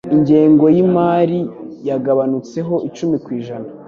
ingengo yimari yagabanutseho icumi kwijana